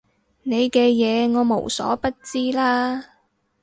你嘅嘢我無所不知啦